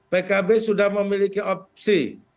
pkb sudah memiliki opsi